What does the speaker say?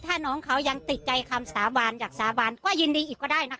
ถ้าน้องเขายังติดใจคำสาบานอยากสาบานก็ยินดีอีกก็ได้นะคะ